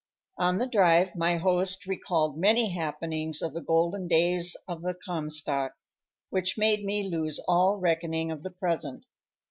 On the drive my host recalled many happenings of the golden days of the Comstock, which made me lose all reckoning of the present.